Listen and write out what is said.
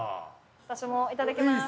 私もいただきます。